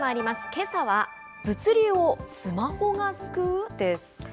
けさは物流をスマホが救う？です。